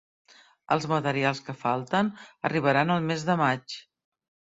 Els materials que falten arribaran el mes de maig.